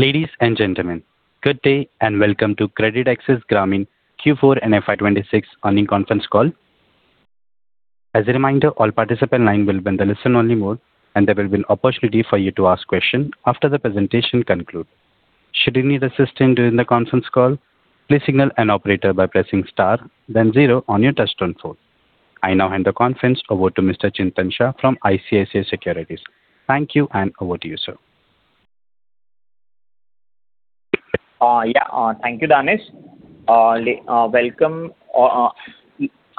Ladies and gentlemen, good day, and welcome to CreditAccess Grameen's Q4 and FY 2026 earnings conference call. As a reminder, all participant lines will be in the listen-only mode, and there will be an opportunity for you to ask questions after the presentation conclude. Should you need assistance during the conference call, please signal an operator by pressing star then zero on your touch-tone phone. I now hand the conference over to Mr. Chintan Shah from ICICI Securities. Thank you, and over to you, sir. Thank you, Danish. Welcome.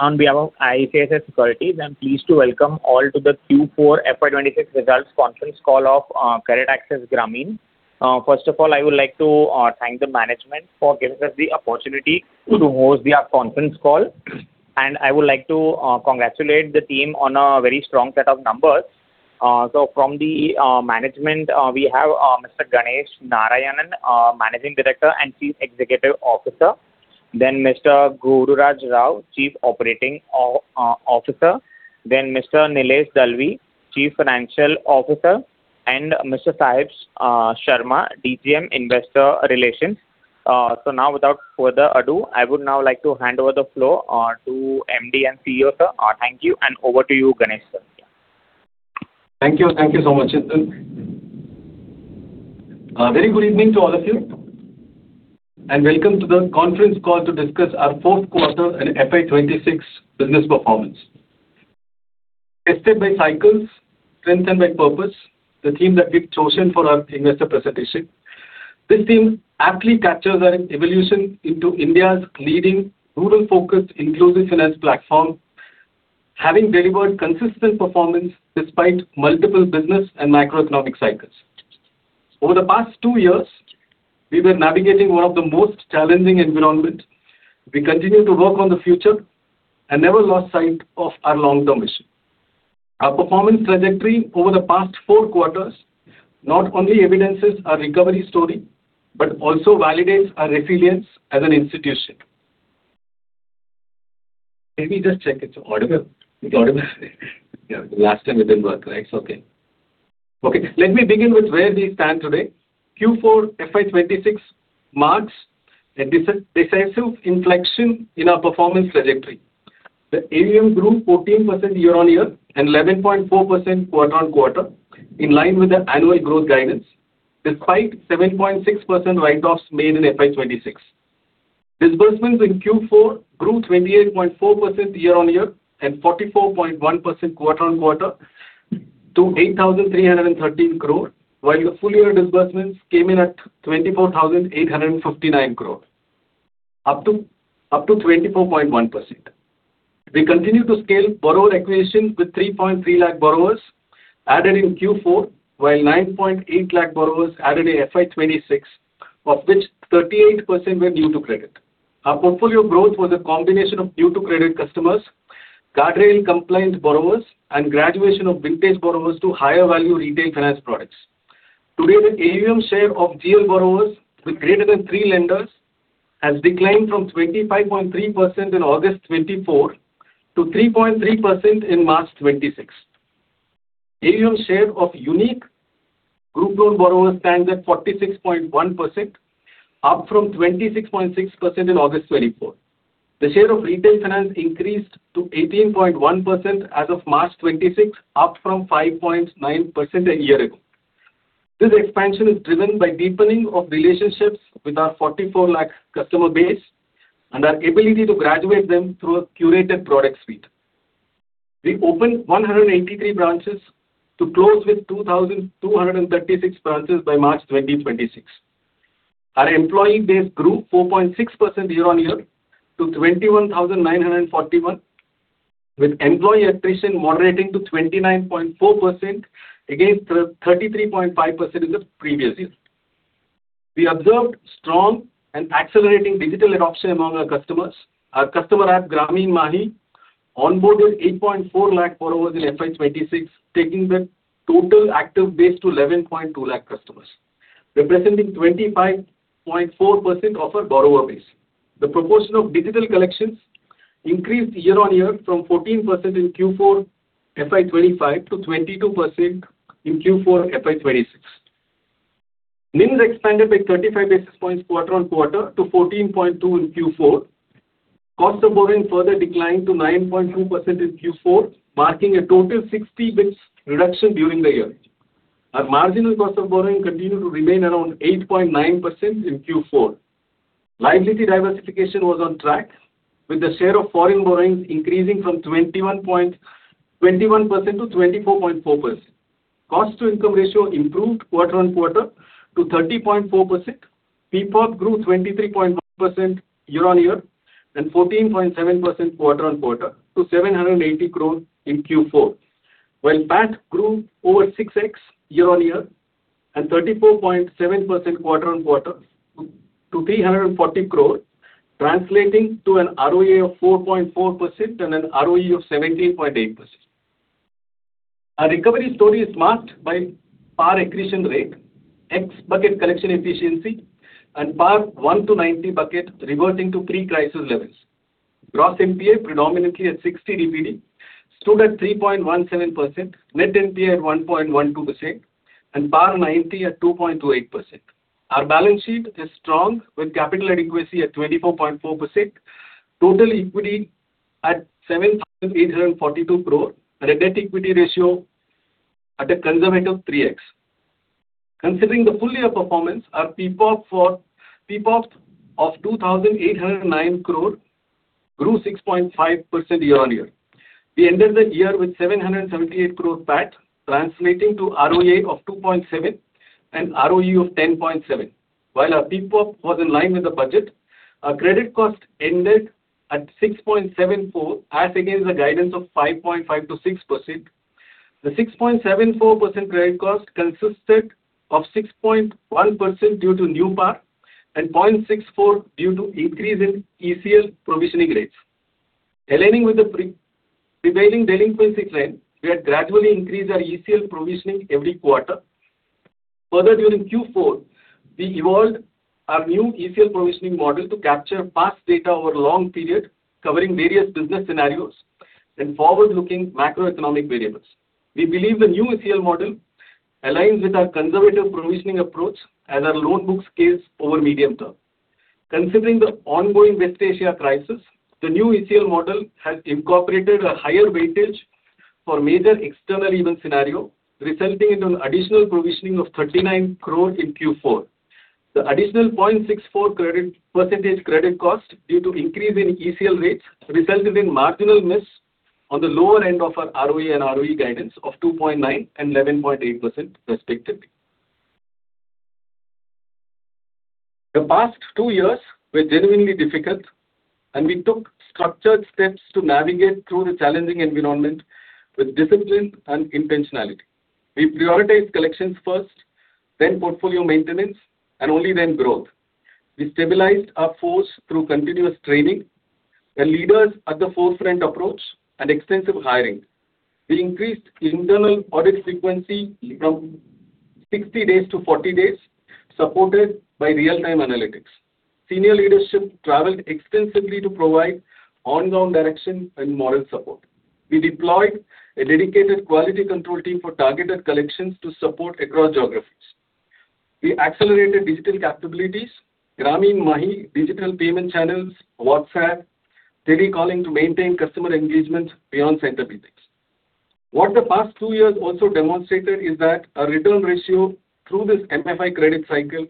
On behalf of ICICI Securities, I'm pleased to welcome all to the Q4 FY 2026 results conference call of CreditAccess Grameen. First of all, I would like to thank the management for giving us the opportunity to host their conference call. I would like to congratulate the team on a very strong set of numbers. From the management, we have Mr. Ganesh Narayanan, Managing Director and Chief Executive Officer. Mr. Gururaj Rao, Chief Operating Officer. Mr. Nilesh Dalvi, Chief Financial Officer, and Mr. Sahib Sharma, DGM, Investor Relations. Now without further ado, I would now like to hand over the floor to MD & CEO, sir. Thank you, and over to you, Ganesh, sir. Thank you. Thank you so much, Chintan. Very good evening to all of you; welcome to the conference call to discuss our fourth quarter and FY 2026 business performance. Tested by cycles, strengthened by purpose, the theme that we've chosen for our investor presentation. This theme aptly captures our evolution into India's leading rural-focused inclusive finance platform, having delivered consistent performance despite multiple business and macroeconomic cycles. Over the past two years, we were navigating one of the most challenging environments. We continued to work on the future and never lost sight of our long-term mission. Our performance trajectory over the past four quarters not only evidences our recovery story but also validates our resilience as an institution. Maybe just check it's audible. It's audible. Yeah. The last time it didn't work, right? It's okay. Okay. Let me begin with where we stand today. Q4 FY 2026 marks a decisive inflection in our performance trajectory. The AUM grew 14% year-on-year and 11.4% quarter-on-quarter, in line with the annual growth guidance, despite 7.6% write-offs made in FY 2026. Disbursement in Q4 grew 28.4% year-over-year and 44.1% quarter-over-quarter to 8,313 crore, while the full-year disbursements came in at 24,859 crore, up 24.1%. We continue to scale borrower acquisition with 3.3 lakh borrowers added in Q4, while 9.8 lakh borrowers added in FY 2026, of which 38% were new to credit. Our portfolio growth was a combination of new-to-credit customers, guardrail-compliant borrowers, and graduation of high-vintage borrowers to higher-value retail finance products. Today, the AUM share of JLG borrowers with greater than three lenders has declined from 25.3% in August 2024 to 3.3% in March 2026. AUM share of unique group loan borrowers stands at 46.1%, up from 26.6% in August 2024. The share of retail finance increased to 18.1% as of March 2026, up from 5.9% a year ago. This expansion is driven by deepening of relationships with our 44 lakh customer base and our ability to graduate them through a curated product suite. We opened 183 branches to close 2,236 branches by March 2026. Our employee base grew 4.6% year-on-year to 21,941, with employee attrition moderating to 29.4% against the 33.5% in the previous year. We observed strong and accelerating digital adoption among our customers. Our customer app, Grameen Mahi, onboarded 8.4 lakh borrowers in FY 2026, taking the total active base to 11.2 lakh customers, representing 25.4% of our borrower base. The proportion of digital collections increased year-on-year from 14% in Q4 FY 2025 to 22% in Q4 FY 2026. NIMs expanded by 35 basis points quarter-on-quarter to 14.2% in Q4. Cost of borrowing further declined to 9.2% in Q4, marking a total 60 basis points reduction during the year. Our marginal cost of borrowing continued to remain around 8.9% in Q4. Liability diversification was on track, with the share of foreign borrowings increasing from 21%-24.4%. The cost-to-income ratio improved quarter-on-quarter to 30.4%. PPOP grew 23.1% year-on-year and 14.7% quarter-on-quarter to 780 crore in Q4. PAT grew over 6x year-on-year and 34.7% quarter-on-quarter to 340 crore, translating to an ROA of 4.4% and an ROE of 17.8%. Our recovery story is marked by our accretion rate, X bucket collection efficiency, and PAR 1-90 bucket reverting to pre-crisis levels. Gross NPA predominantly at 60 DPD stood at 3.17%, Net NPA at 1.12%, and PAR 90 at 2.28%. Our balance sheet is strong with capital adequacy at 24.4%, total equity at 7,842 crore, and a debt equity ratio at a conservative 3x. Considering the full-year performance, our PPOP of 2,809 crore grew 6.5% year-on-year. We ended the year with 778 crore PAT, translating to ROA of 2.7% and ROE of 10.7%. While our PPOP was in line with the budget, our credit cost ended at 6.74% as against the guidance of 5.5%-6%. The 6.74% credit cost consisted of 6.1% due to new PAR and 0.64% due to increase in ECL provisioning rates. Aligning with the pre-prevailing delinquency trend, we have gradually increased our ECL provisioning every quarter. Further, during Q4, we evolved our new ECL provisioning model to capture past data over a long period covering various business scenarios and forward-looking macroeconomic variables. We believe the new ECL model aligns with our conservative provisioning approach as our loan book scales over medium term. Considering the ongoing West Asia crisis, the new ECL model has incorporated a higher weightage for major external event scenarios, resulting in an additional provisioning of 39 crore in Q4. The additional 0.64% credit cost due to increase in ECL rates resulted in a marginal miss on the lower end of our ROA and ROE guidance of 2.9% and 11.8%, respectively. The past two years were genuinely difficult, and we took structured steps to navigate through the challenging environment with discipline and intentionality. We prioritized collections first, then portfolio maintenance, and only then growth. We stabilized our force through continuous training and a leaders-at-the-forefront approach and extensive hiring. We increased internal audit frequency from 60 days-40 days, supported by real-time analytics. Senior leadership traveled extensively to provide ongoing direction and moral support. We deployed a dedicated quality control team for targeted collections to support across geographies. We accelerated digital capabilities, Grameen Mahi digital payment channels, WhatsApp, daily calling to maintain customer engagement beyond center business. What the past two years also demonstrated is that our return ratio through this MFI credit cycle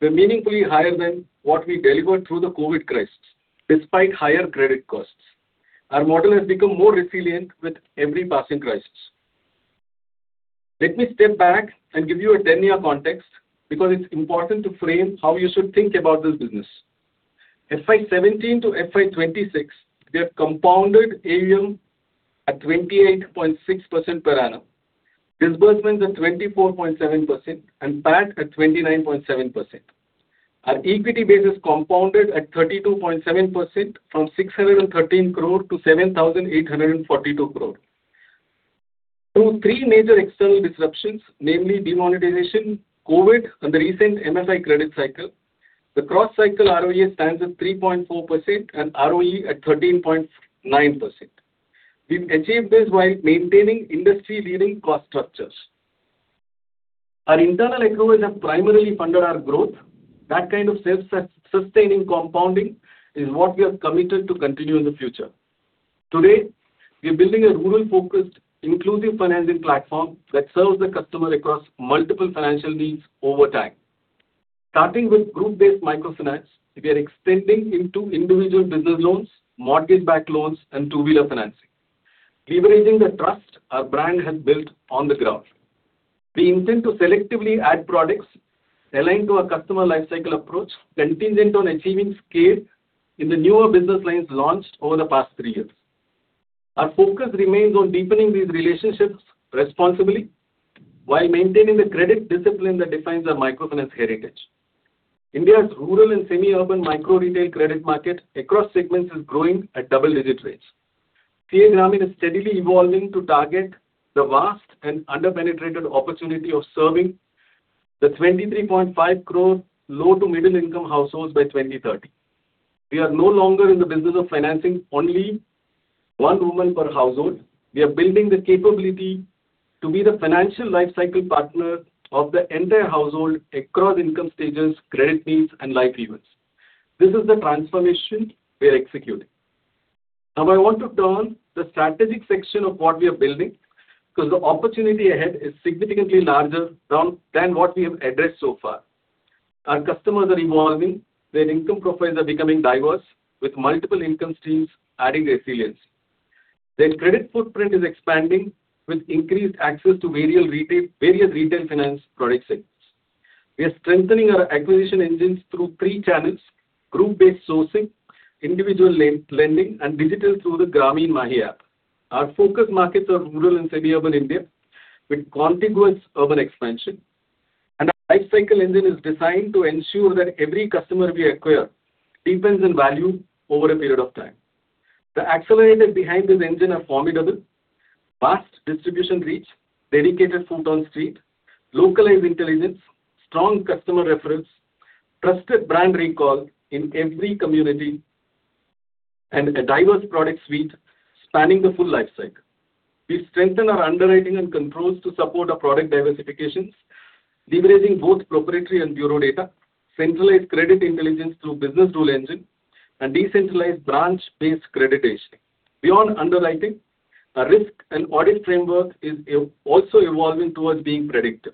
was meaningfully higher than what we delivered through the COVID crisis, despite higher credit costs. Our model has become more resilient with every passing crisis. Let me step back and give you a 10-year context because it's important to frame how you should think about this business. FY 2017-FY 2026, we have compounded AUM at 28.6% per annum. disbursements at 24.7% and PAT at 29.7%. Our equity base is compounded at 32.7% from 613 crore-7,842 crore. Through three major external disruptions, namely demonetization, COVID, and the recent MFI credit cycle, the cross-cycle ROA stands at 3.4% and ROE at 13.9%. We've achieved this while maintaining industry-leading cost structures. Our internal accruals have primarily funded our growth. That kind of self-sustaining compounding is what we are committed to continuing in the future. Today, we are building a rural-focused, inclusive financing platform that serves the customer across multiple financial needs over time. Starting with group-based microfinance, we are extending into individual business loans, mortgage-backed loans, and two-wheeler financing, leveraging the trust our brand has built on the ground. We intend to selectively add products aligned to a customer lifecycle approach contingent on achieving scale in the newer business lines launched over the past three years. Our focus remains on deepening these relationships responsibly while maintaining the credit discipline that defines our microfinance heritage. India's rural and semi-urban micro retail credit market across segments is growing at double-digit rates. CA Grameen is steadily evolving to target the vast and under-penetrated opportunity of serving the 23.5 crore low- to middle-income households by 2030. We are no longer in the business of financing only one woman per household. We are building the capability to be the financial lifecycle partner of the entire household across income stages, credit needs, and life events. This is the transformation we are executing. I want to turn the strategic section of what we are building because the opportunity ahead is significantly larger than what we have addressed so far. Our customers are evolving. Their income profiles are becoming diverse, with multiple income streams adding resilience. Their credit footprint is expanding with increased access to various retail finance product segments. We are strengthening our acquisition engines through three channels: group-based sourcing, individual lending, and digital through the Grameen Mahi app. Our focus markets are rural and semi-urban India with contiguous urban expansion. Our lifecycle engine is designed to ensure that every customer we acquire deepens in value over a period of time. The accelerators behind this engine are formidable. Vast distribution reach, dedicated feet on the street, localized intelligence, strong customer references, trusted brand recall in every community, and a diverse product suite spanning the full life cycle. We've strengthened our underwriting and controls to support our product diversifications, leveraging both proprietary and bureau data, centralized credit intelligence through a business rule engine, and decentralized branch-based credit rating. Beyond underwriting, our risk and audit framework is also evolving towards being predictive.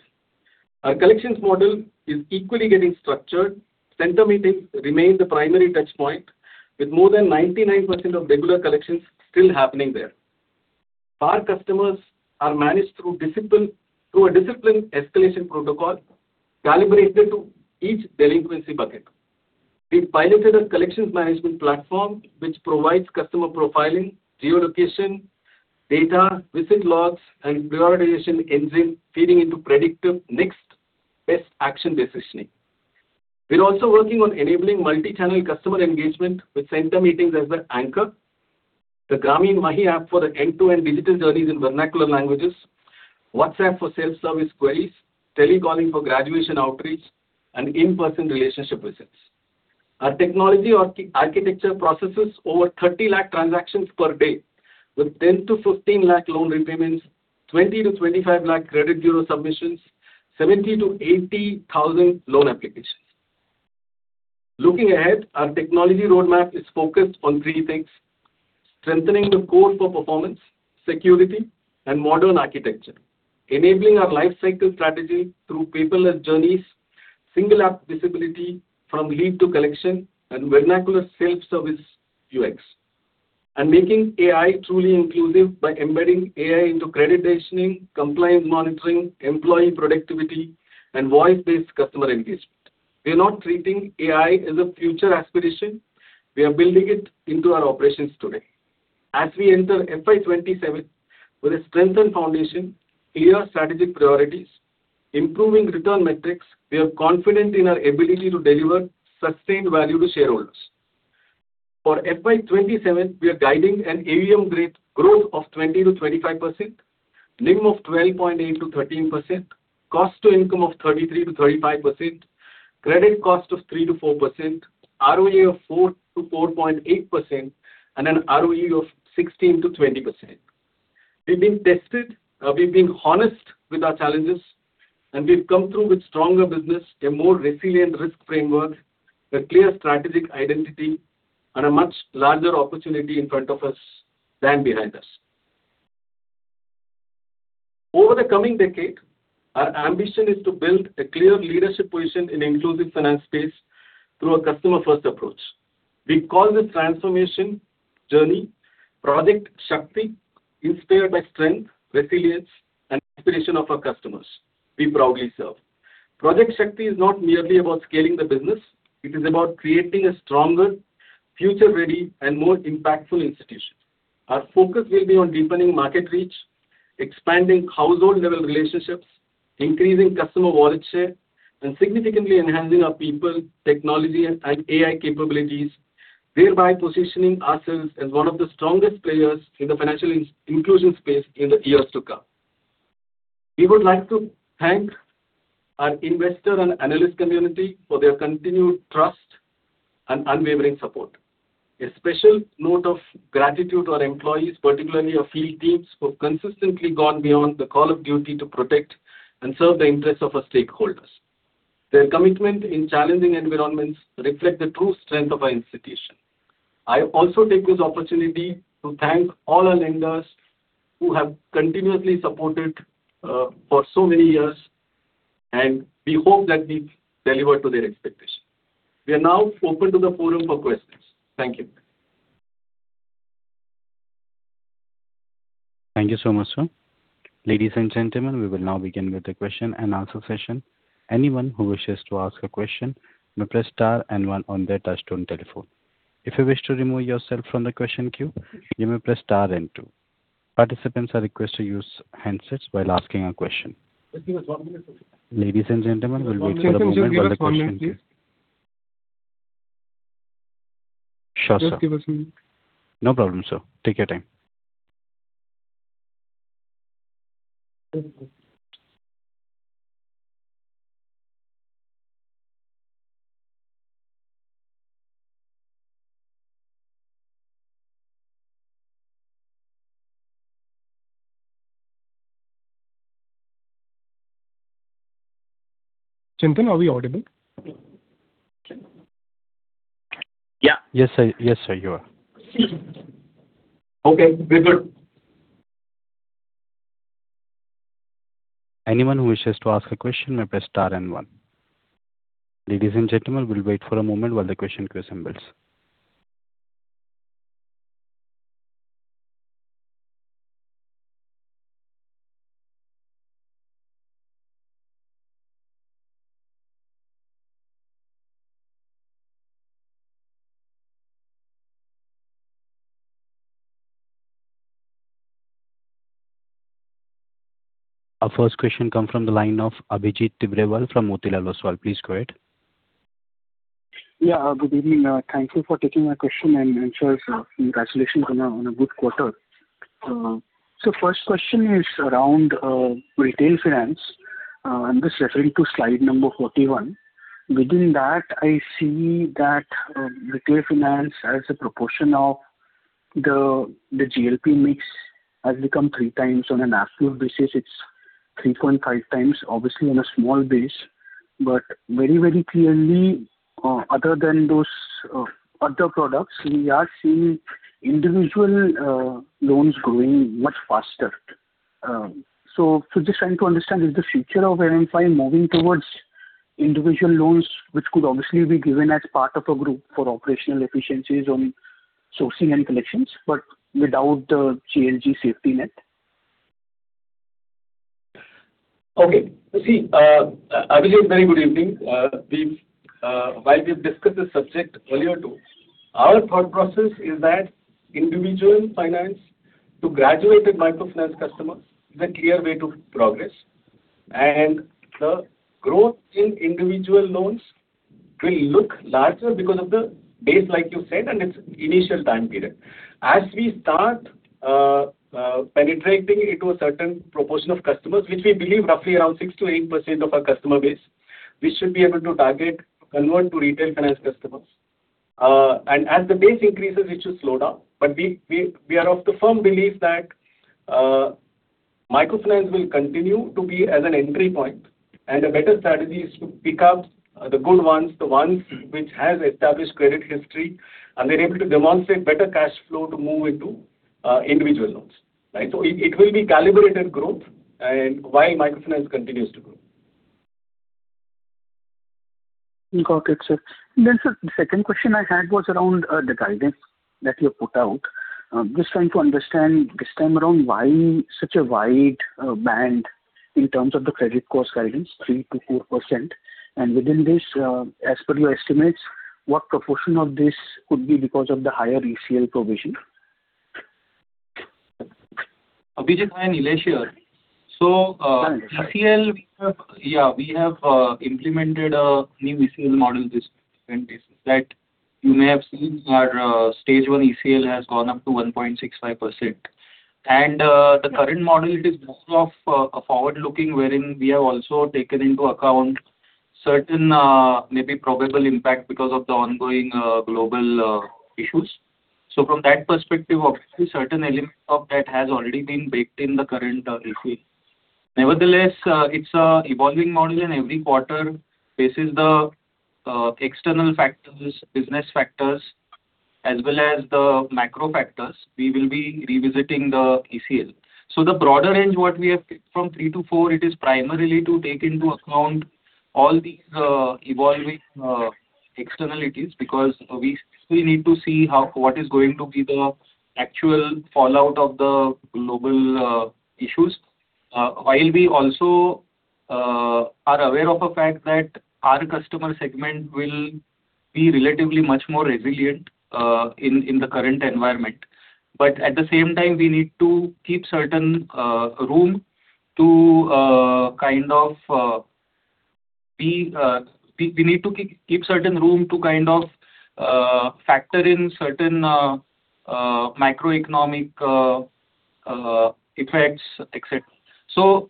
Our collections model is equally getting structured. Center meetings remain the primary touch point, with more than 99% of regular collections still happening there. Our customers are managed through discipline, through a disciplined escalation protocol calibrated to each delinquency bucket. We've piloted a collections management platform which provides customer profiling, geolocation data, visit logs, and prioritization engine feeding into predictive next best action decisioning. We're also working on enabling multi-channel customer engagement with center meetings as the anchor, the Grameen Mahi app for the end-to-end digital journeys in vernacular languages, WhatsApp for self-service queries, telecalling for graduation outreach, and in-person relationship visits. Our technology architecture processes over 30 lakh transactions per day, with 10-15 lakh loan repayments, 20-25 lakh credit bureau submissions, and 70,000-80,000 loan applications. Looking ahead, our technology roadmap is focused on three things: strengthening the core for performance, security, and modern architecture. Enabling our life cycle strategy through paperless journeys, single-app visibility from lead to collection, and vernacular self-service UX. Making AI truly inclusive by embedding AI into credit decisioning, compliance monitoring, employee productivity, and voice-based customer engagement. We are not treating AI as a future aspiration. We are building it into our operations today. As we enter FY 2027 with a strengthened foundation, clear strategic priorities, improving return metrics, we are confident in our ability to deliver sustained value to shareholders. For FY 2027, we are guiding an AUM growth of 20%-25%, NIM of 12.8%-13%, cost to income of 33%-35%, credit cost of 3%-4%, ROA of 4%-4.8%, and an ROE of 16%-20%. We've been tested, we've been honest with our challenges, and we've come through with stronger business, a more resilient risk framework, a clear strategic identity, and a much larger opportunity in front of us than behind us. Over the coming decade, our ambition is to build a clear leadership position in inclusive finance space through a customer-first approach. We call this transformation journey Project Shakti, inspired by strength, resilience, and inspiration of our customers we proudly serve. Project Shakti is not merely about scaling the business. It is about creating a stronger, future-ready, and more impactful institution. Our focus will be on deepening market reach, expanding household-level relationships, increasing customer wallet share, and significantly enhancing our people, technology, and AI capabilities, thereby positioning ourselves as one of the strongest players in the financial inclusion space in the years to come. We would like to thank our investor and analyst community for their continued trust and unwavering support. A special note of gratitude to our employees, particularly our field teams, who've consistently gone beyond the call of duty to protect and serve the interests of our stakeholders. Their commitment in challenging environments reflects the true strength of our institution. I also take this opportunity to thank all our lenders who have continuously supported us for so many years, and we hope that we've delivered to their expectations. We are now open to the forum for questions. Thank you. Thank you so much, sir. Ladies and gentlemen, we will now begin with the question-and-answer session. Anyone who wishes to ask a question may press star and one on their touchtone telephone. If you wish to remove yourself from the question queue, you may press star and two. Participants are requested to use handsets while asking a question. Just give us one minute. Ladies and gentlemen, we will wait for a moment for the question. Chintan, can you hear us on mute? Sure, sir. Just give us a minute. No problem, sir. Take your time. Chintan, are we audible? Yeah. Yes, sir. Yes, sir, you are. Okay, we're good. Anyone who wishes to ask a question may press star and one. Ladies and gentlemen, we'll wait for a moment while the question queue assembles. Our first question comes from the line of Abhijit Tibrewal from Motilal Oswal. Please go ahead. Yeah. Good evening. Thank you for taking my questions and answering. Congratulations on a good quarter. First question is around retail finance. I'm just referring to slide number 41. Within that, I see that retail finance as a proportion of the JLG mix has become 3x. On an absolute basis it's 3.5x, obviously on a small base. Very, very clearly, other than those other products, we are seeing individual loans growing much faster. Just trying to understand, is the future of M&M Finance moving towards individual loans, which could obviously be given as part of a group for operational efficiencies on sourcing and collections, but without the JLG safety net? Okay. You see, Abhijit, very good evening. While we've discussed this subject earlier too, our thought process is that individual finances for graduated microfinance customers is a clear way to progress. The growth in individual loans will look larger because of the base, like you said, and its initial time period. As we start penetrating into a certain proportion of customers, which we believe is roughly around 6%-8% of our customer base, we should be able to target, convert to retail finance customers. As the base increases, it should slow down. We are of the firm belief that microfinance will continue to be an entry point, and a better strategy is to pick up the good ones, the ones which has established credit history and are able to demonstrate better cash flow to move into individual loans. Right? It will be calibrated growth while microfinance continues to grow. Got it, sir. The second question I had was around the guidance that you have put out. Just trying to understand this time around why such a wide band in terms of the credit cost guidance, 3%-4%. Within this, as per your estimates, what proportion of this could be because of the higher ECL provision? Abhijit, hi, Nilesh here. Hi, Nilesh. ECL, we have implemented a new ECL model in this current business, and you may have seen our Stage 1 ECL has gone up to 1.65%. The current model is more of a forward-looking wherein we have also taken into account certain maybe probable impacts because of the ongoing global issues. From that perspective, obviously certain elements of that have already been baked into the current ECL. It's an evolving model, and every quarter faces the external factors, business factors, as well as the macro factors. We will be revisiting the ECL. The broader range, which we have picked from three-four, it is primarily to take into account all these evolving externalities because we still need to see what is going to be the actual fallout of the global issues. While we are also aware of the fact that our customer segment will be relatively much more resilient in the current environment. At the same time, we need to keep certain room to kind of factor in certain macroeconomic effects, et cetera.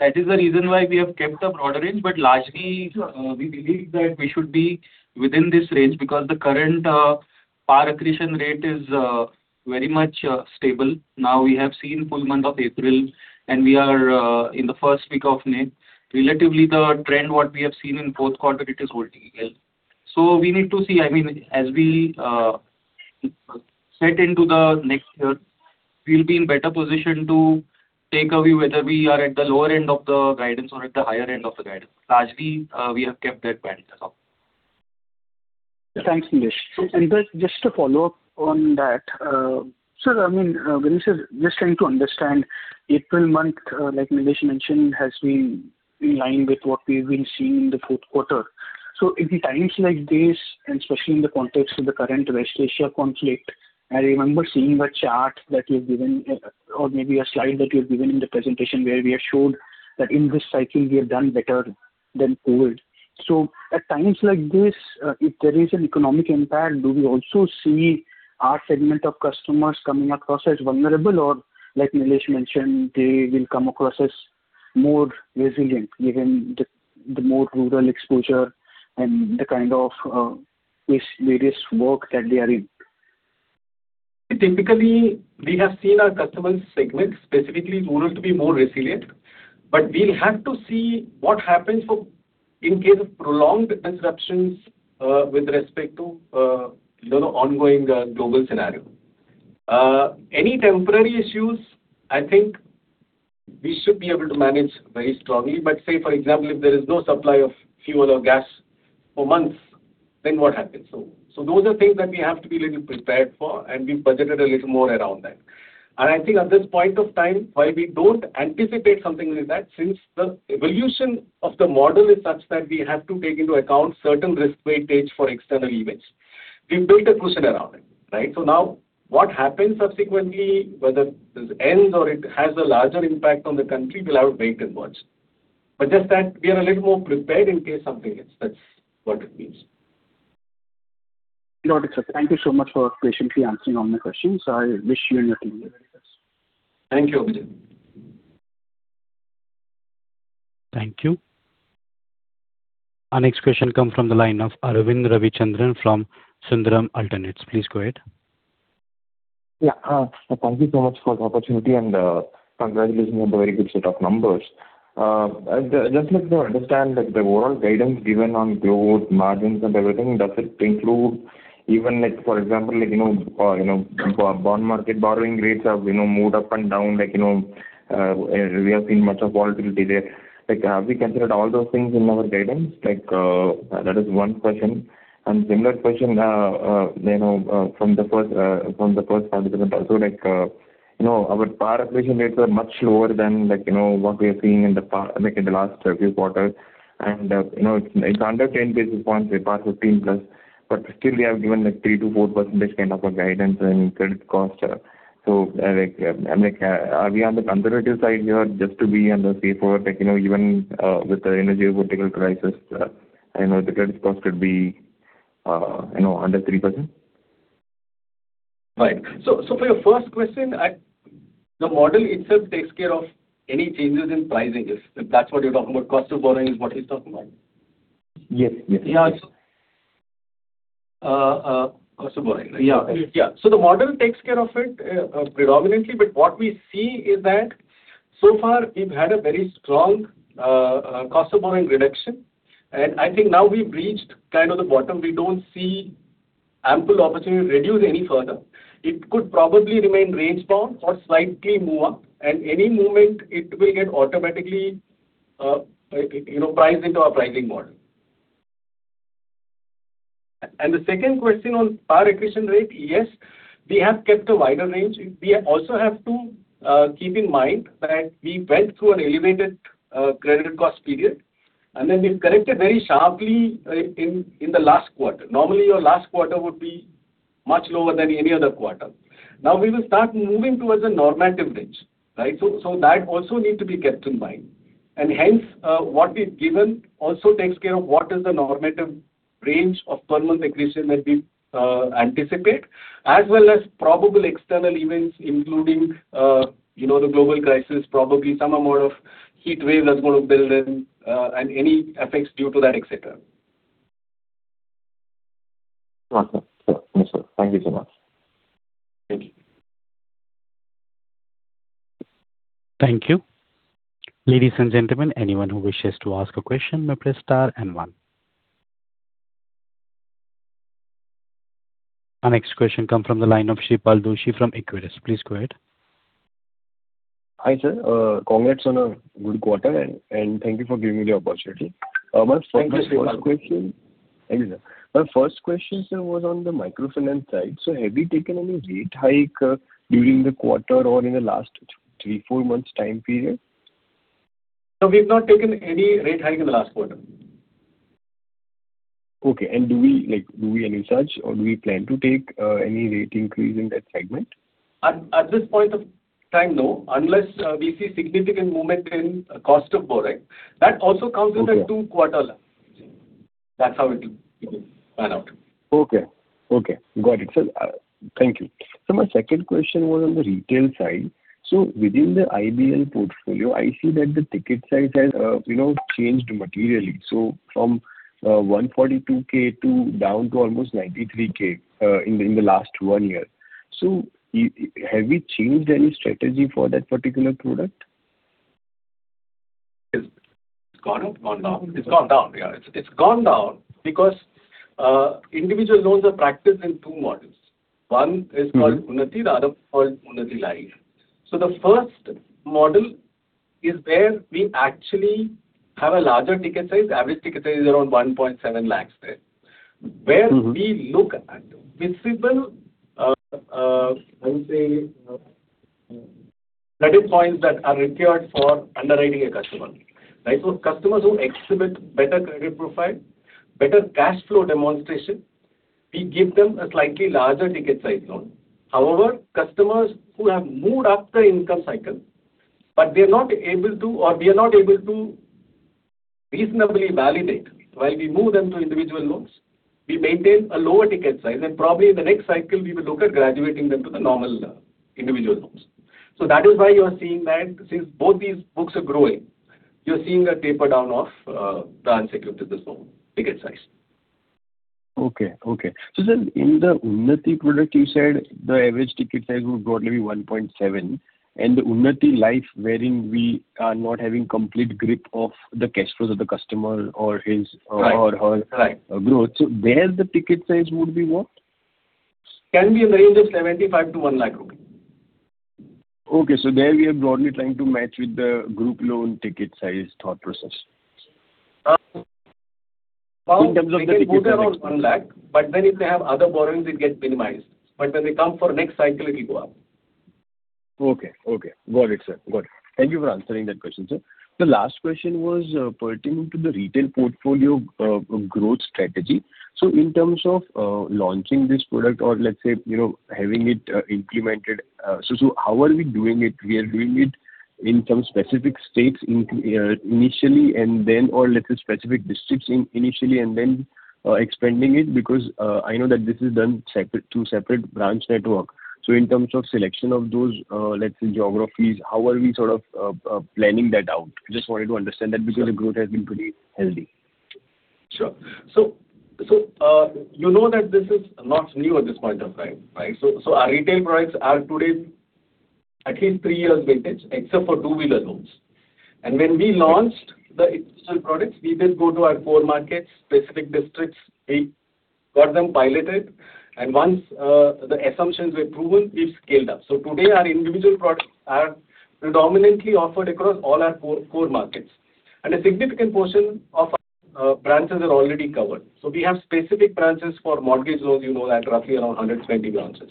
That is the reason why we have kept a broader range. Sure We believe that we should be within this range because the current PAR accretion rate is very much stable. Now, we have seen full month of April, and we are in the first week of May. Relatively, the trend that we have seen in the fourth quarter is holding well. We need to see. I mean, as we set into the next year, we'll be in a better position to take a view of whether we are at the lower end of the guidance or at the higher end of the guidance. Largely, we have kept that band as of now. Thanks, Nilesh. Sure. Just to follow up on that. Sir, I mean, when you say just trying to understand April month, like Nilesh mentioned, it has been in line with what we've been seeing in the fourth quarter. In times like this, and especially in the context of the current West Asia conflict, I remember seeing a chart that you had given, or maybe a slide that you had given in the presentation where we had shown that in this cycle we have done better than COVID. At times like this, if there is an economic impact, do we also see our segment of customers coming across as vulnerable? Or like Nilesh mentioned, they will come across as more resilient given the more rural exposure and the kind of risk, various work that they are in. Typically, we have seen our customer segment, specifically rural, to be more resilient. We'll have to see what happens in case of prolonged disruptions with respect to, you know, the ongoing global scenario. Any temporary issues, I think we should be able to manage very strongly. Say, for example, if there is no supply of fuel or gas for months, then what happens? Those are things that we have to be a little prepared for, and we budgeted a little more around that. I think at this point of time, while we don't anticipate something like that, since the evolution of the model is such that we have to take into account certain risk weightage for external events. We've built a cushion around it, right? Now what happens subsequently, whether this ends or it has a larger impact on the country, we'll have to wait and watch. Just that we are a little more prepared in case something hits. That's what it means. Noted, sir. Thank you so much for patiently answering all my questions. I wish you and your team the very best. Thank you, Abhijit. Thank you. Our next question comes from the line of Arvind Ravichandran from Sundaram Alternates. Please go ahead. Thank you so much for the opportunity and congratulations on the very good set of numbers. I just like to understand, like, the overall guidance given on growth, margins, and everything. Does it include even, like, for example, like, you know, bond market borrowing rates have, you know, moved up and down? Like, you know, we have seen much volatility there? Like, have we considered all those things in our guidance? That is one question. Similar question, you know, from the first participant also, like, you know, our PAR accretion rates are much lower than, like, you know, what we are seeing in the last few quarters. You know, it's under 10 basis points; we are 13+. Still, we have given like 3%-4% kind of guidance in credit cost. Like, are we on the conservative side here just to be on the safer side? Like, you know, even with the geopolitical crisis, you know, the credit cost could be, you know, under 3%? Right. For your first question, the model itself takes care of any changes in pricing, if that's what you're talking about. Cost of borrowing is what he's talking about? Yes. Yes. Yeah. Cost of borrowing, right? Yeah. The model takes care of it, predominantly, but what we see is that so far we've had a very strong cost of borrowing reduction. I think now we've reached kind of the bottom. We don't see ample opportunity to reduce any further. It could probably remain range bound or slightly move up. Any movement will get automatically, you know, priced into our pricing model. The second question on PAR accretion rate, yes, we have kept a wider range. We also have to keep in mind that we went through an elevated credit cost period, and then we've corrected very sharply in the last quarter. Normally, your last quarter would be much lower than any other quarter. Now we will start moving towards a normative range. Right? That also needs to be kept in mind. Hence, what we've given also takes care of what the normative range of PAR accretion that we anticipate is, as well as probable external events, including, you know, the global crisis, probably some amount of heatwave that's going to build in, and any effects due to that, et cetera. Awesome. Sure. Sure, sir. Thank you so much. Thank you. Thank you. Ladies and gentlemen, anyone who wishes to ask a question may press star and one. Our next question comes from the line of Shreepal Doshi from Equirus. Please go ahead. Hi, sir. Congrats on a good quarter and thank you for giving me the opportunity. Thank you, Shreepal Doshi. Thank you, sir. My first question, sir, was on the microfinance side. Have you taken any rate hike during the quarter or in the last three, four months time period? No, we've not taken any rate hike in the last quarter. Okay. Do we, like, do any such or do we plan to take any rate increase in that segment? At this point of time, no. Unless we see significant movement in cost of borrowing. Okay. in a two quarter lag. That's how it will, you know, pan out. Okay. Okay. Got it. Thank you. My second question was on the retail side. Within the IBL portfolio, I see the ticket size has, you know, changed materially. From 142K down to almost 93K in the last one year. Have we changed any strategy for that particular product? It's gone up and gone down. It's gone down. Yeah. It's gone down because individual loans are practiced in two models. One is called. Unnati, the other called Unnati Life. The first model is where we actually have a larger ticket size. The average ticket size is around 1.7 lakhs there. Where we look at visible, how do you say, credit points that are required for underwriting a customer, right? Customers who exhibit better credit profile and better cash flow demonstration, we give them a slightly larger ticket size loan. However, customers who have moved up the income cycle, but they're not able to or we are not able to reasonably validate it while we move them to individual loans, we maintain a lower ticket size, and probably in the next cycle we will look at graduating them to the normal individual loans. That is why you are seeing that since both these books are growing, you're seeing a taper down of the unsecured business loan ticket size. Okay. Okay. In the Unnati product, you said the average ticket size would broadly be 1.7, and in Unnati Lite, we are not having a complete grip of the cash flows of the customer. Right. or her Right. -growth. There the ticket size would be what? Can be in the range of 75-1 lakh. Okay. There we are broadly trying to match with the group loan ticket size thought process. In terms of the ticket size. It could be around 1 lakh, but then if they have other borrowings, it gets minimized. When they come for the next cycle, it'll go up. Okay. Okay. Got it, sir. Got it. Thank you for answering that question, sir. The last question was pertaining to the retail portfolio growth strategy. In terms of launching this product or let's say, you know, having it implemented, so how are we doing it? We are doing it in some specific states initially, or let's say specific districts initially, and then expanding it because I know that this is done through a separate branch network. In terms of selection of those, let's say geographies, how are we sort of planning that out? Just wanted to understand that because the growth has been pretty healthy. Sure. You know that this is not new at this point of time, right? Our retail products are today at least three years vintage except for two-wheeler loans. When we launched the individual products, we did go to our core markets, specific districts. We got them piloted, and once the assumptions were proven, we scaled up. Today our individual products are predominantly offered across all our core markets. A significant portion of our branches are already covered. We have specific branches for mortgage loans, you know that, roughly around 120 branches.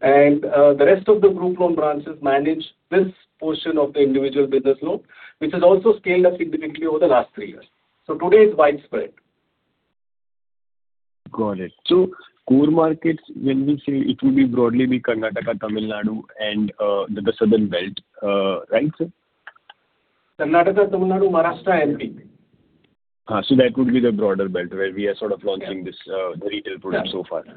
The rest of the group loan branches manage this portion of the individual business loan, which has also scaled up significantly over the last three years. Today it's widespread. Got it. Core markets, when we say it will be broadly be Karnataka, Tamil Nadu, and the southern belt, right, sir? Karnataka, Tamil Nadu, Maharashtra. That would be the broader belt where we are sort of launching this, the retail product, so far. Yeah.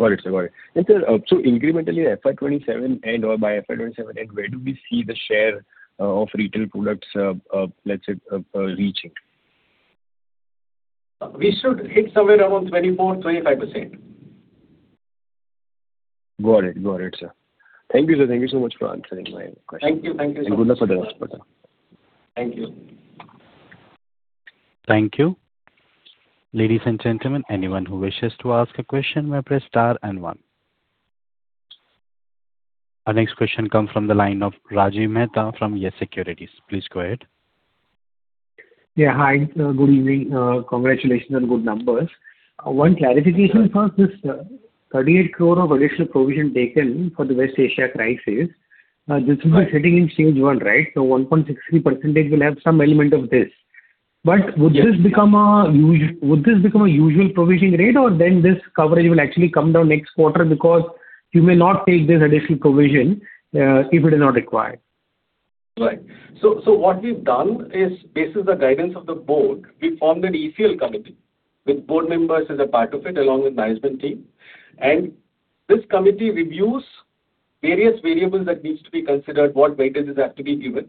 Got it, sir. Got it. Incrementally in FY 2027 and/or by FY 2027 end, where do we see the share of retail products, let's say, reaching? We should hit somewhere around 24%-25%. Got it. Got it, sir. Thank you, sir. Thank you so much for answering my questions. Thank you. Thank you so much. Good luck for the next quarter. Thank you. Thank you. Ladies and gentlemen, anyone who wishes to ask a question may press star and one. Our next question comes from the line of Rajiv Mehta from Yes Securities. Please go ahead. Yeah, hi. Good evening. Congratulations on good numbers. One clarification first. This 38 crore of additional provision taken for the West Asia crisis; this will be sitting in Stage 1, right? 1.63% will have some element of this. Would this become a usual provisioning rate or then this coverage will actually come down next quarter because you may not take this additional provision if it is not required? So what we've done is basis the guidance of the board, we formed an ECL committee with board members as a part of it along with the management team. This committee reviews various variables that need to be considered and what weightages have to be given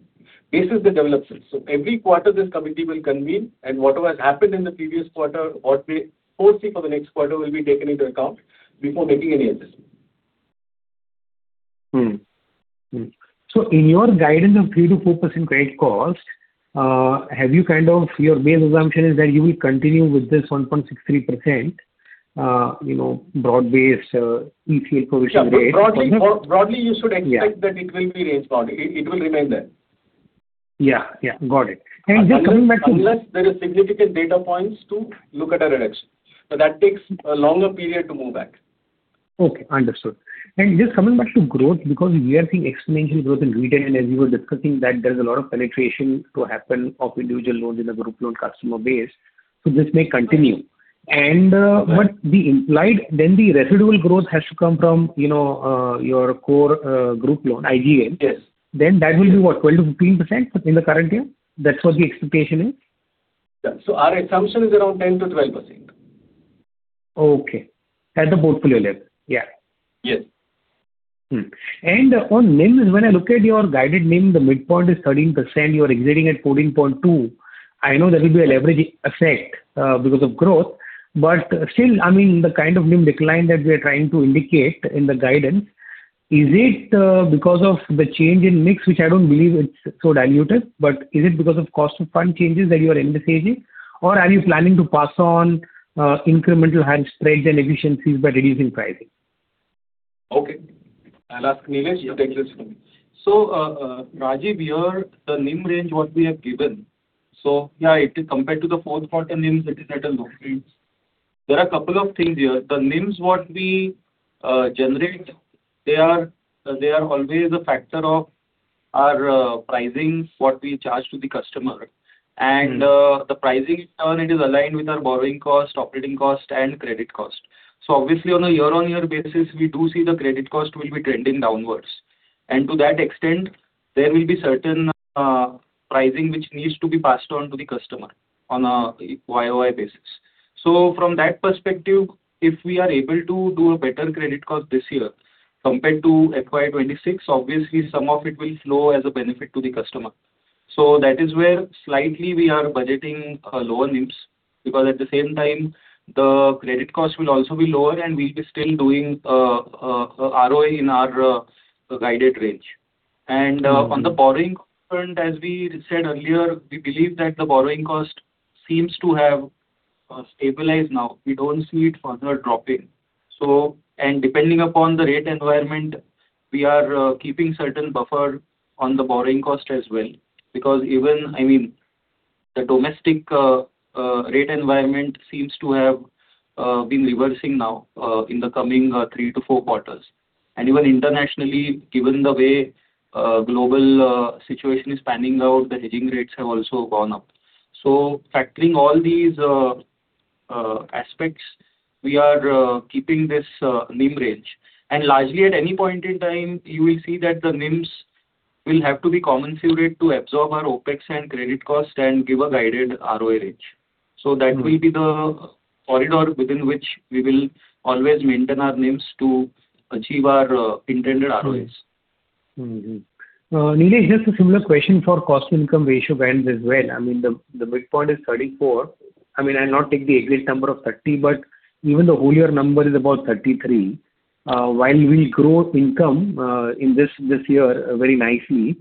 based on the developments. Every quarter this committee will convene, and whatever has happened in the previous quarter or we foresee for the next quarter will be taken into account before making any adjustment. In your guidance of 3%-4% credit cost, have you kind of your base assumption is that you will continue with this 1.63%, you know, broad-based ECL provision rate for next year? Yeah, broadly you should expect it. Yeah It will be range bound. It will remain there. Yeah. Yeah. Got it. Just coming back to- Unless there is significant data points to look at a reduction. That takes a longer period to move back. Okay, understood. Just coming back to growth, because we are seeing exponential growth in retail and as we were discussing there's a lot of penetration to happen of individual loans in the group loan customer base. This may continue. Right. And, uh- Right The implied, then the residual growth has to come from, you know, your core group loan, IGL. Yes. That will be what, 12%-15% in the current year? That's what the expectation is? Yeah. Our assumption is around 10%-12%. Okay. At the portfolio level. Yeah. Yes. On NIMs, when I look at your guided NIM, the midpoint is 13%. You are exiting at 14.2%. Still, I mean, the kind of NIM decline that we are trying to indicate in the guidance, is it because of the change in mix, which I don't believe is so diluted, but is it because of cost of fund changes that you are indicating, or are you planning to pass on incremental hand strength and efficiencies by reducing pricing? Okay. I'll ask Nilesh to take this one. Rajiv, your NIM range, what we have given, compared to the fourth quarter NIMs, it is at a low range. There are a couple of things here. The NIMs that we generate are always a factor of our pricing, what we charge to the customer. The pricing currently is aligned with our borrowing cost, operating cost and credit cost. Obviously on a YoY basis, we do see the credit cost will be trending downwards. To that extent, there will be certain pricing which needs to be passed on to the customer on a YoY basis. From that perspective, if we are able to do a better credit cost this year compared to FY 2026, obviously some of it will flow as a benefit to the customer. That is where slightly we are budgeting lower NIMs because at the same time, the credit cost will also be lower and we'll be still doing ROE in our guided range. On the borrowing front, as we said earlier, we believe that the borrowing cost seems to have stabilized now. We don't see it further dropping. Depending upon the rate environment, we are keeping certain buffer on the borrowing cost as well. Because even, I mean, the domestic rate environment seems to have been reversing now in the coming three-four quarters. Even internationally, given the way the global situation is panning out, the hedging rates have also gone up. Factoring all these aspects, we are keeping this NIM range. Largely at any point in time, you will see that the NIMs will have to be commensurate to absorb our OpEx and credit cost and give a guided ROE range. That will be the corridor within which we will always maintain our NIMs to achieve our intended ROEs. Nilesh, just a similar question for cost-income ratio bands as well. The midpoint is 34%. I'll not take the agreed number of 30%, but even the whole year's number is about 33%. While we grow income in this year very nicely,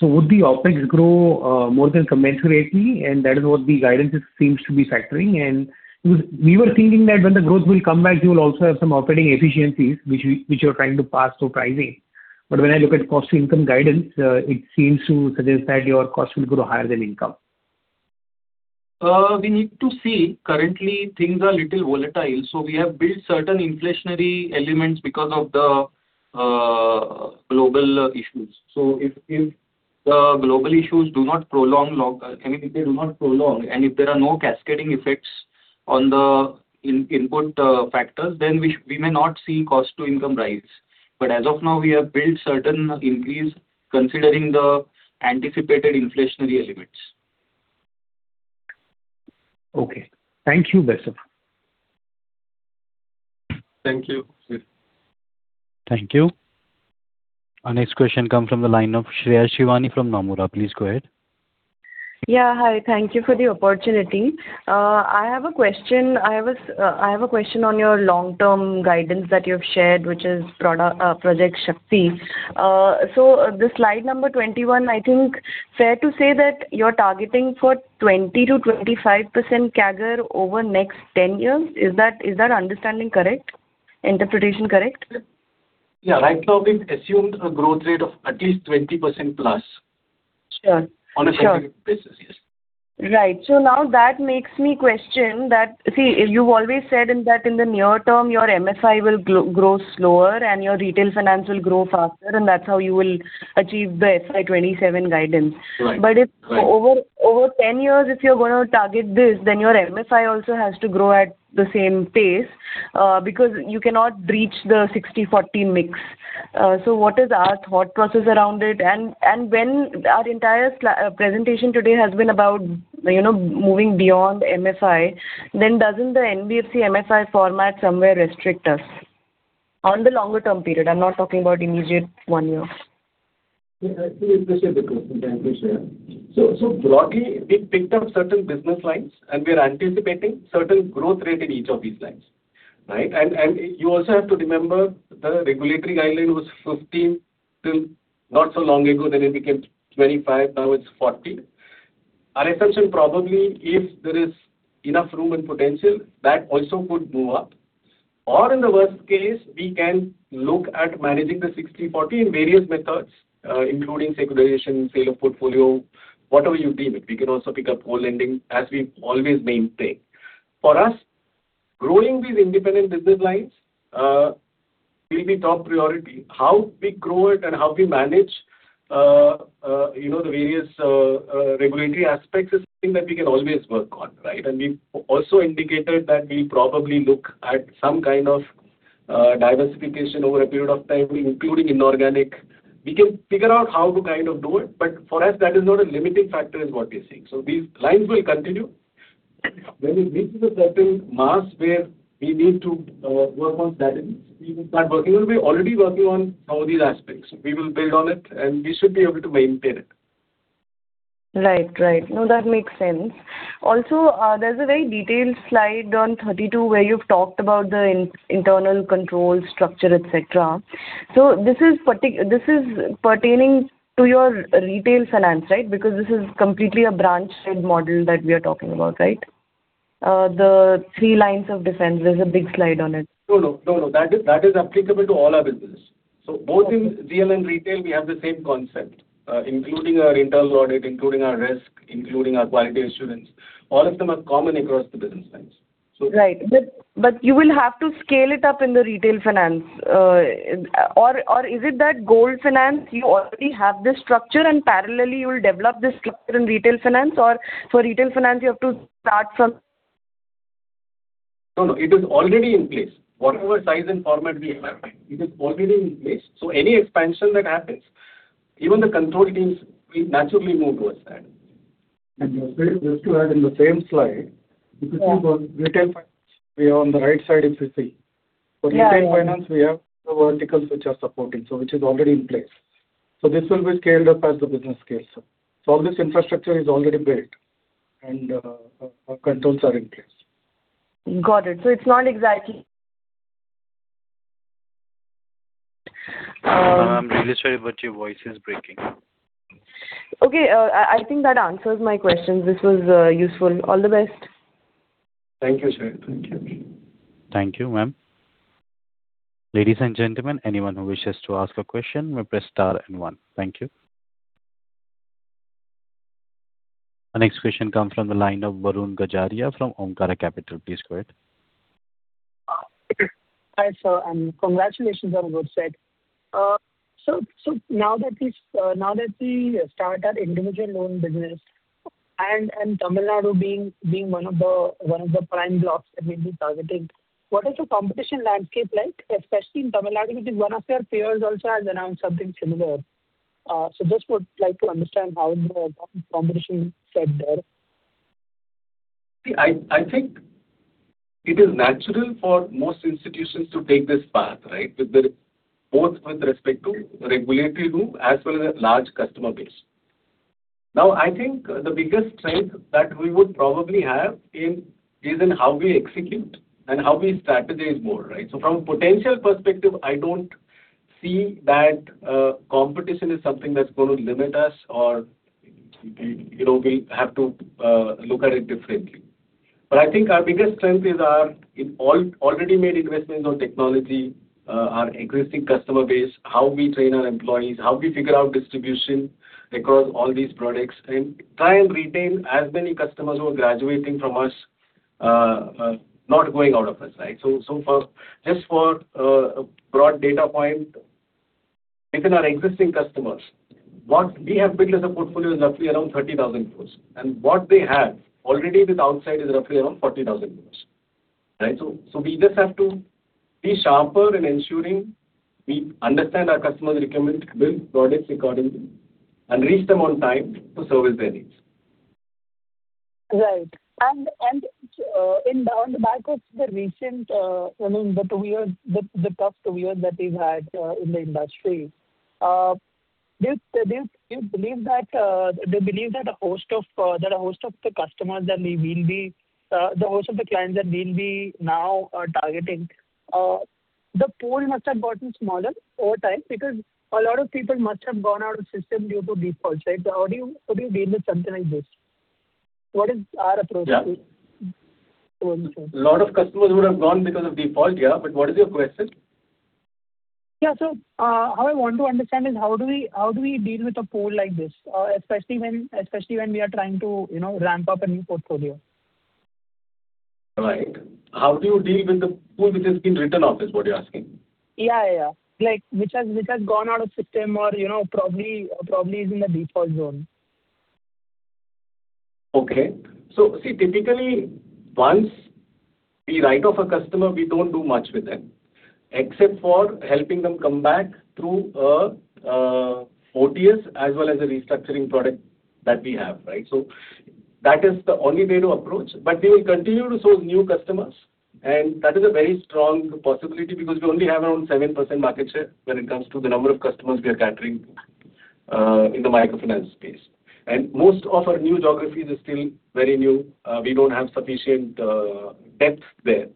would the OpEx grow more than commensurately? That is what the guidance seems to be factoring. We were thinking that when the growth will come back, you will also have some operating efficiencies which you're trying to pass through in pricing. When I look at cost-income guidance, it seems to suggest that your costs will grow higher than income. We need to see. Currently, things are a little volatile, so we have built certain inflationary elements because of the global issues. If the global issues do not prolong—I mean, if they do not prolong, and if there are no cascading effects on the input factors, then we may not see cost to income rise. As of now, we have built a certain increase considering the anticipated inflationary elements. Okay. Thank you, Vaibhav. Thank you. Sure. Thank you. Our next question comes from the line of Shreya Shivani from Nomura. Please go ahead. Hi. Thank you for the opportunity. I have a question on your long-term guidance that you have shared, which is Project Shakti. On slide number 21, I think fair to say that you're targeting a 20%-25% CAGR over the next 10 years. Is that understanding correct? Interpretation correct? Yeah. Right now we've assumed a growth rate of at least 20% plus. Sure. Sure. On a CAGR basis, yes. Right. Now that makes me question, you've always said in the near term, your MFI will grow slower and your retail finance will grow faster, and that's how you will achieve the FY 2027 guidance. Right. Right. If over 10 years if you're gonna target this, then your MFI also has to grow at the same pace, because you cannot breach the 60/40 mix. What is our thought process around it? When our entire presentation today has been about, you know, moving beyond MFI, then doesn't the NBFC-MFI format somewhere restrict us on the longer-term period? I'm not talking about immediate one year. Yeah. Actually, it's a very good question. Thank you, Shreya. Broadly, we've picked up certain business lines, and we are anticipating a certain growth rate in each of these lines, right? You also have to remember the regulatory guideline was 15% till not so long ago, then it became 25%, and now it's 40%. Our assumption is probably, if there is enough room and potential, that also could move up. In the worst case, we can look at managing the 60/40 in various methods, including securitization, sale of portfolio, whatever you deem it. We can also pick up co-lending as we've always maintained. For us, growing these independent business lines will be top priority. How we grow it and how we manage, you know, the various regulatory aspects is something that we can always work on, right? We've also indicated that we'll probably look at some kind of diversification over a period of time, including inorganic. We can figure out how to kind of do it, but for us that is not a limiting factor in what we are seeing. These lines will continue. When it reaches a certain mass, which we need to work on, we will start working on. We're already working on some of these aspects. We will build on it, and we should be able to maintain it. Right. Right. No, that makes sense. Also, there's a very detailed slide on 32 where you've talked about the internal control structure, et cetera. This is pertaining to your retail finance, right? This is completely a branch-led model that we are talking about, right? The three lines of defense, there's a big slide on it. No, no. No, no. That is applicable to all our business. Okay. Both in GL and retail, we have the same concept, including our internal audit, including our risk, including our quality assurance. All of them are common across the business lines. Right. You will have to scale it up in the retail finance. Is it that gold finance, you already have this structure, and parallelly you will develop this structure in retail finance? For retail finance you have to start. No, no, it is already in place. Whatever size and format we have, right? It is already in place. Any expansion that happens, even the control teams will naturally move toward that. Just to add, on the same slide. Yeah You can see the retail finance we have on the right side if you see. Yeah. For retail finance, we have the verticals which are supporting, so which is already in place. This will be scaled up as the business scales up. All this infrastructure is already built and our controls are in place. Got it. I'm really sorry, but your voice is breaking. Okay. I think that answers my questions. This was useful. All the best. Thank you, Shreya. Thank you. Thank you, ma'am. Ladies and gentlemen, anyone who wishes to ask a question may press star and one. Thank you. Our next question come from the line of Varun Gajaria from Omkara Capital. Please go ahead. Hi, sir. Congratulations on a good set. Now that we start our individual loan business, and Tamil Nadu being one of the prime blocks that we'll be targeting, what is the competition landscape like, especially in Tamil Nadu because one of your peers also has announced something similar. Just would like to understand how the competition set there. See, I think it is natural for most institutions to take this path, right? Both with respect to regulatory route as well as a large customer base. I think the biggest strength that we would probably have in, is in how we execute and how we strategize more, right? From a potential perspective, I don't see that competition is something that's going to limit us or, you know, we have to look at it differently. I think our biggest strength is our in all-already made investments on technology, our existing customer base, how we train our employees, how we figure out distribution across all these products and try and retain as many customers who are graduating from us, not going out of us, right? For, just for a broad data point, within our existing customers, what we have built as a portfolio is roughly around 30,000 crores. What they have already with outside is roughly around 40,000 crores, right. We just have to be sharper in ensuring we understand our customers' requirements, build products accordingly, and reach them on time to service their needs. Right. On the back of the recent, I mean, the tough two years that we've had in the industry, do you believe that a host of the customers that we will be, the clients that we'll be now targeting, the pool must have gotten smaller over time because a lot of people must have gone out of system due to defaults, right? How do you deal with something like this? What is our approach to this? Yeah. One sec. Lot of customers would have gone because of default, yeah. What is your question? Yeah. How I want to understand is how do we deal with a pool like this, especially when we are trying to, you know, ramp up a new portfolio? Right. How do you deal with the pool which has been written off is what you're asking? Yeah, yeah. Like, which has gone out of system or, you know, probably is in the default zone. Typically once we write off a customer, we don't do much with them, except for helping them come back through a OTS as well as a restructuring product that we have, right? That is the only way to approach. We will continue to source new customers, that is a very strong possibility because we only have around 7% market share when it comes to the number of customers we are catering in the microfinance space. Most of our new geographies are still very new. We don't have sufficient depth there.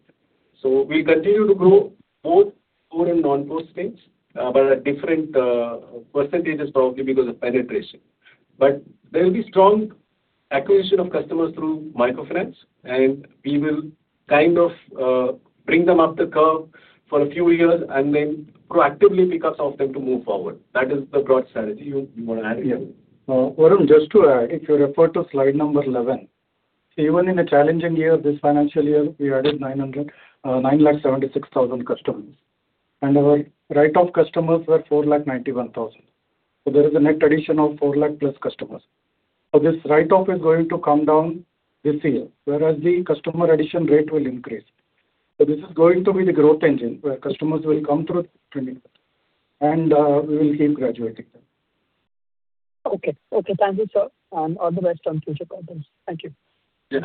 We'll continue to grow both core and non-core states, but at different percentages probably because of penetration. There will be strong acquisition of customers through microfinance, and we will kind of bring them up the curve for a few years and then proactively pick up some of them to move forward. That is the broad strategy. Do you want to add anything? Varun, just to add, if you refer to slide number 11, even in a challenging year, this financial year, we added 9 lakh, 76,000 customers. Our write-off customers were 4 lakh 91,000. There is a net addition of 4 lakh+ customers. This write-off is going to come down this year, whereas the customer addition rate will increase. This is going to be the growth engine where customers will come through trends, and we will keep graduating them. Okay. Okay. Thank you, sir, and all the best on future quarters. Thank you. Yeah.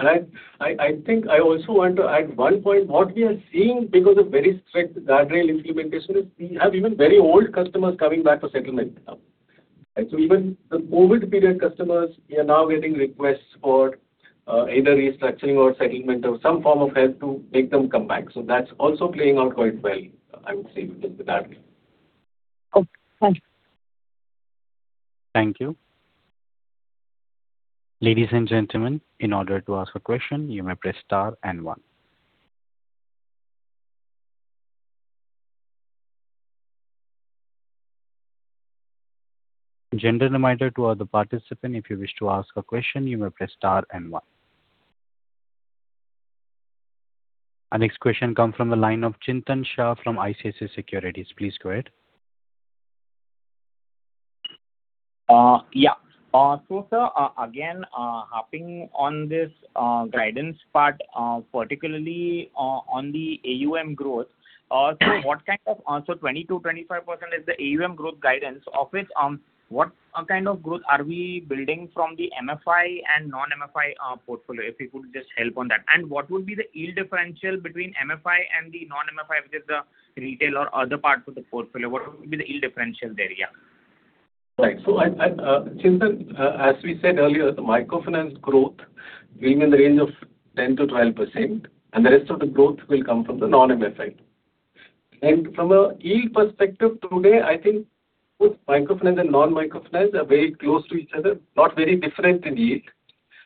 I think I also want to add one point. What we are seeing because of very strict guardrail implementation is we have even very old customers coming back for settlement now. Even for the COVID period customers, we are now getting requests for either restructuring or settlement or some form of help to make them come back. That's also playing out quite well, I would say, with the guardrail. Okay. Thank you. Thank you. Ladies and gentlemen, in order to ask a question you may press star and one. Gentle reminder to all the participant, if you wish to ask a question you may press star and one. Our next question come from the line of Chintan Shah from ICICI Securities. Please go ahead. Yeah. Sir, again, harping on this guidance part, particularly on the AUM growth. What kind of 20%-25% is the AUM growth guidance. Of which, what kind of growth are we building from the MFI and non-MFI portfolio? If you could just help on that. What would be the yield differential between MFI and the non-MFI, which is the retail or other parts of the portfolio? What would be the yield differential there? Right. I, Chintan, as we said earlier, the microfinance growth will be in the range of 10%-12%, and the rest of the growth will come from the non-MFI. From a yield perspective today, I think both microfinance and non-microfinance are very close to each other, not very different in yield.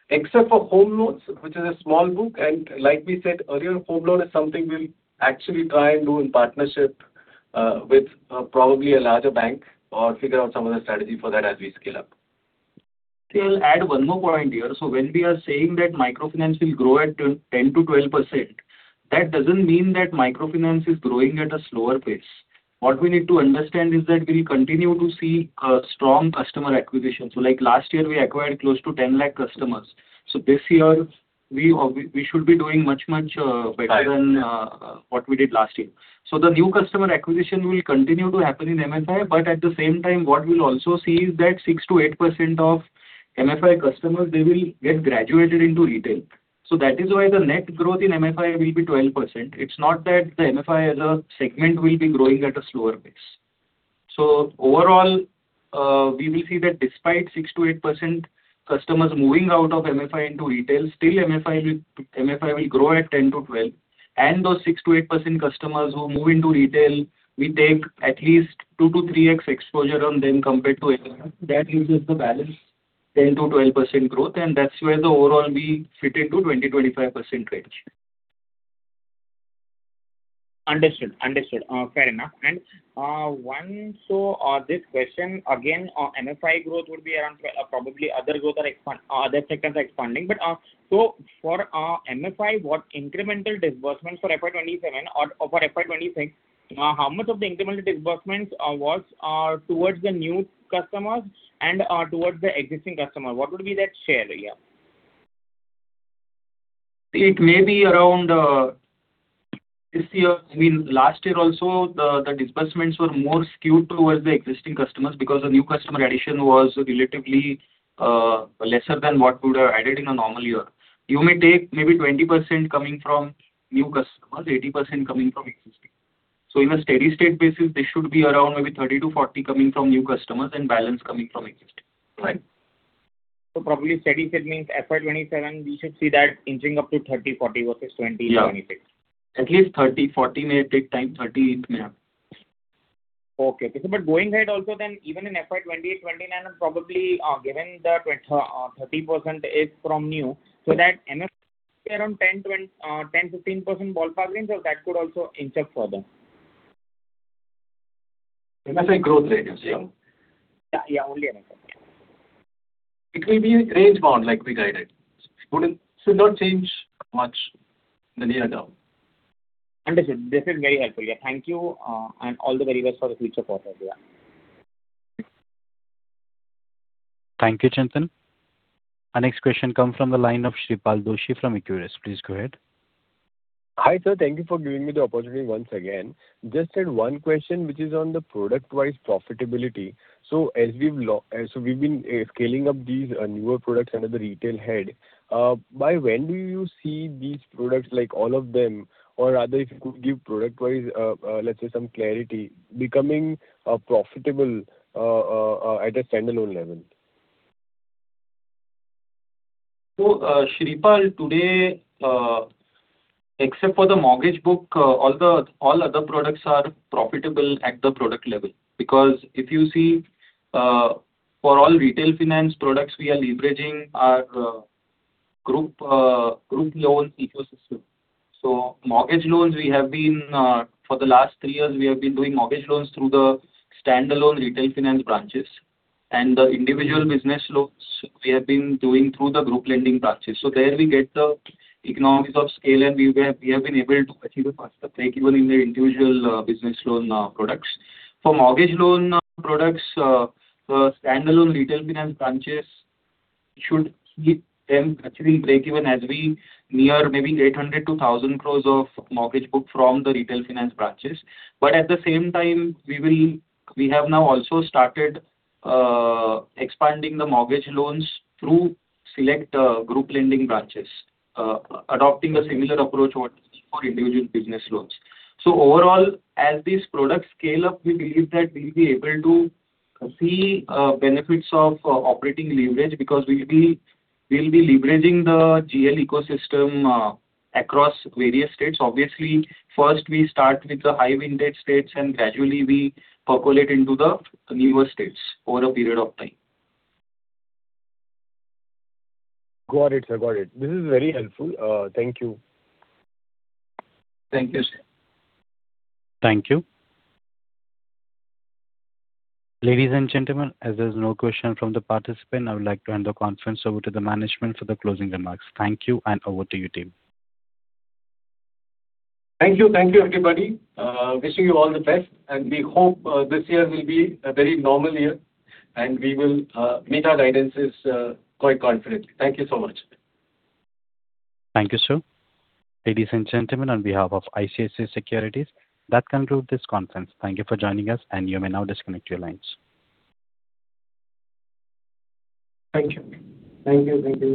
Except for home loans, which is a small book, and like we said earlier, home loan is something we'll actually try and do in partnership with probably a larger bank or figure out some other strategy for that as we scale up. I'll add one more point here. When we are saying that microfinance will grow at 10%-12%, that doesn't mean that microfinance is growing at a slower pace. What we need to understand is that we'll continue to see a strong customer acquisition. Like last year, we acquired close to 10 lakh customers. This year we should be doing much, much better than what we did last year. The new customer acquisition will continue to happen in MFI, but at the same time, what we'll also see is that 6%-8% of MFI customers, they will get graduated into retail. That is why the net growth in MFI will be 12%. It's not that the MFI as a segment will be growing at a slower pace. Overall, we will see that despite 6%-8% customers moving out of MFI into retail, still MFI will grow at 10%-12%. Those 6%-8% customers who move into retail, we take at least 2-3x exposure on them compared to MFI. That gives us the balance 10 to 12% growth. That's where the overall we fit into 20-25%. Understood. Understood. Fair enough. This question again on MFI growth would be around probably other growth or other sectors expanding. For MFI, what incremental disbursements for FY 2027 or for FY 2026, how much of the incremental disbursements was towards the new customers and towards the existing customer? What would be that share? Yeah. It may be around, this year I mean, last year also, the disbursements were more skewed towards the existing customers because the new customer addition was relatively, lesser than what would have added in a normal year. You may take maybe 20% coming from new customers, 80% coming from existing. So in a steady-state basis, this should be around maybe 30%-40% coming from new customers and balance coming from existing. Right. Probably steady-state means FY 2027, we should see that inching up to 30, 40 versus 20 in 2026. Yeah. At least 30. 40 may take time, 30 it may have. Okay. Going ahead also then, even in FY 2028, 2029 and probably, given the 30% is from new, that MFI around 10%-15% ballpark means that that could also inch up further. MFI growth rate, you're saying? Yeah. Yeah, only MFI. It will be range bound like we guided. It should not change much in the near term. Understood. This is very helpful. Yeah. Thank you, and all the very best for the future quarter. Thank you, Chintan. Our next question comes from the line of Shreepal Doshi from Equirus. Please go ahead. Hi, sir. Thank you for giving me the opportunity once again. Just had one question, which is on the product-wise profitability. As we've been scaling up these newer products under the retail head. By when do you see these products, like all of them, or rather, if you could give product-wise, let's say some clarity, becoming profitable at a standalone level? Shreepal, today, except for the mortgage book, all other products are profitable at the product level. Because if you see, for all retail finance products, we are leveraging our group loan ecosystem. Mortgage loans, we have been doing for the last three years; we have been doing mortgage loans through the standalone retail finance branches. The individual business loans we have been doing through the group lending branches. There we get the economics of scale, and we have been able to achieve a faster break-even in the individual business loan products. For mortgage loan products, standalone retail finance branches should hit them actually break even as we near maybe 800-1,000 crores of mortgage book from the retail finance branches. At the same time, we have now also started expanding the mortgage loans through select Group Lending branches, adopting a similar approach as for individual business loans. Overall, as these products scale up, we believe that we'll be able to see benefits of operating leverage because we'll be leveraging the GL ecosystem across various states. Obviously, first we start with the high-vintage states and gradually we populate into the newer states over a period of time. Got it, sir. Got it. This is very helpful. Thank you. Thank you, sir. Thank you. Ladies and gentlemen, as there's no question from the participant, I would like to hand the conference over to the management for the closing remarks. Thank you, and over to you, team. Thank you. Thank you, everybody. Wishing you all the best. We hope this year will be a very normal year, and we will meet our guidance quite confidently. Thank you so much. Thank you, sir. Ladies and gentlemen, on behalf of ICICI Securities, that concludes this conference. Thank you for joining us, and you may now disconnect your lines. Thank you. Thank you. Thank you.